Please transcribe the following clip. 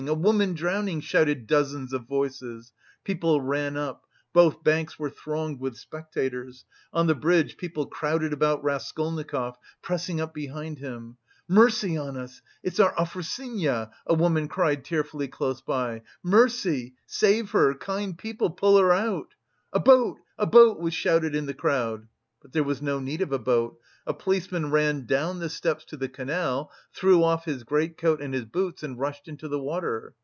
A woman drowning!" shouted dozens of voices; people ran up, both banks were thronged with spectators, on the bridge people crowded about Raskolnikov, pressing up behind him. "Mercy on it! it's our Afrosinya!" a woman cried tearfully close by. "Mercy! save her! kind people, pull her out!" "A boat, a boat" was shouted in the crowd. But there was no need of a boat; a policeman ran down the steps to the canal, threw off his great coat and his boots and rushed into the water.